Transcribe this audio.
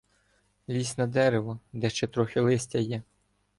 — Лізь на дерево, де ще трохи листя є.